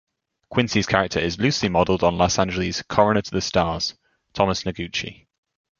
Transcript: Quincy's character is loosely modeled on Los Angeles' "Coroner to the Stars" Thomas Noguchi.